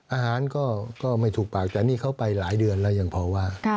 อาหารก็ไม่ถูกปากแต่นี่เขาไปหลายเดือนแล้วยังพอว่า